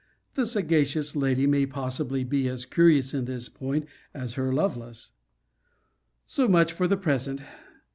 The sagacious lady may possibly be as curious in this point as her Lovelace. So much for the present.